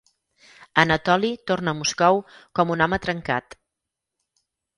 Anatoli torna a Moscou com un home trencat.